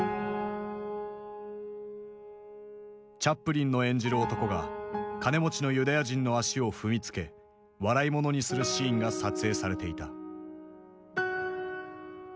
チャップリンの演じる男が金持ちのユダヤ人の足を踏みつけ笑いものにするシーンが撮影されていた。